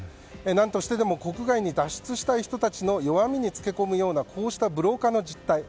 何としてでも国外に脱出したい人たちの弱みにつけ込むようなブローカーの実態。